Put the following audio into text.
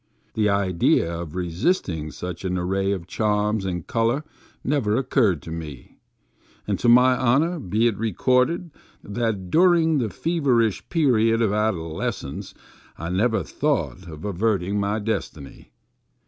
The idea of resisting such an array of charms and color never occurred to me, and to my honor be it recorded, that during the feverish period of adoles cence I never thought of averting my destiny.